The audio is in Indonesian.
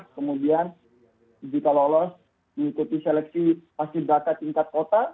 kemudian jika lolos mengikuti seleksi paski beraka tingkat kota